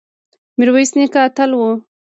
میرویس نیکه اتل و